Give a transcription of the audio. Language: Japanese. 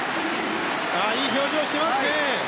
いい表情してますね！